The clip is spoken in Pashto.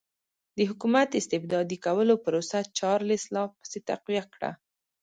د حکومت استبدادي کولو پروسه چارلېس لا پسې تقویه کړه.